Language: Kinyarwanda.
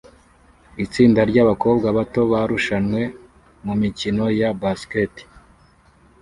Itsinda ryabakobwa bato barushanwe mumikino ya basket